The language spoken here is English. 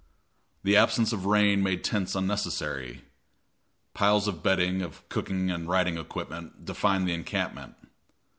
The absence of rain made tents unnecessary. Piles of bedding, of cooking and riding equipment, defined the encampment.